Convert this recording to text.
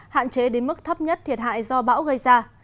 hạn chế đến mức thấp nhất thiệt hại do bão gây ra